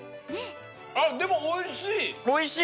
あっでもおいしい！